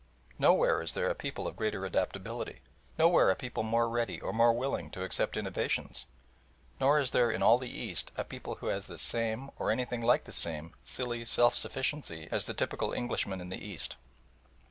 Nowhere is there a people of greater adaptability, nowhere a people more ready or more willing to accept innovations. Nor is there in all the East a people who has the same, or anything like the same, silly self sufficiency as the typical Englishman in the East.